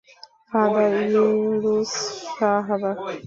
ফাদ্বায়িলুস স্বাহাবা